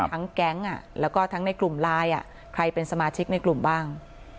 แก๊งแล้วก็ทั้งในกลุ่มไลน์ใครเป็นสมาชิกในกลุ่มบ้าง